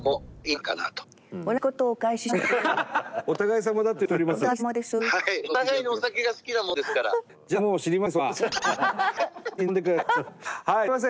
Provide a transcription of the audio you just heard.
お互いさまだと言っております。